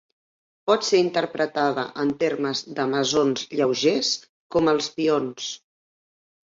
Pot ser interpretada en termes de mesons lleugers, com els pions.